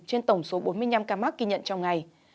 trên tổng số bốn mươi năm ca mắc ghi nhận trong ngày